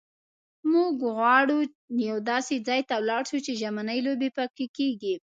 موږ غواړو یوه داسې ځای ته ولاړ شو چې ژمنۍ لوبې پکښې کېږي.